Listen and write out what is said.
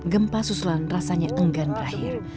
gempa susulan rasanya enggan berakhir